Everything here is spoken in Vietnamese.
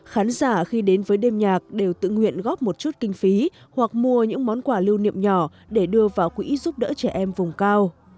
khán giả khi đến với đêm nhạc đều tự nguyện góp một chút kinh phí hoặc mua những món quà lưu niệm nhỏ để đưa vào quỹ giúp đỡ trẻ em vùng cao